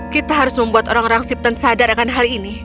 kita harus membuat orang orang sipten sadar akan hal ini